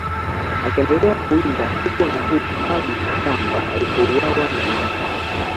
Akaendelea kuwinda huko na huko hadi Itamba alikouawa na nyati